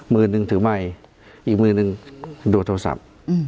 มือหนึ่งถือไมค์อีกมือนึงดูดโทรศัพท์